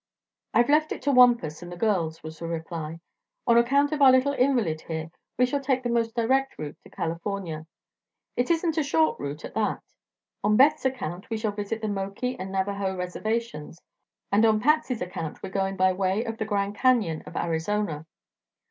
"I've left it to Wampus and the girls," was the reply. "On account of our little invalid here we shall take the most direct route to California. It isn't a short route, at that. On Beth's account we shall visit the Moki and Navajo reservations, and on Patsy's account we're going by way of the Grand Canyon of Arizona.